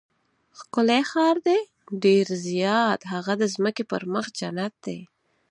ښکلی ښار دی؟ ډېر زیات، هغه د ځمکې پر مخ جنت دی.